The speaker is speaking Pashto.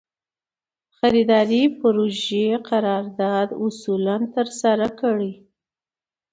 د خریدارۍ پروژې قرارداد اصولاً ترسره کړي.